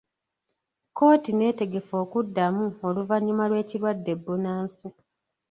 Kkooti neetegefu okuddamu oluvannyuma lw'ekirwadde bbunansi.